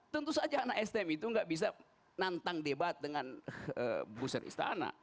tentu saja anak stm itu nggak bisa nantang debat dengan booster istana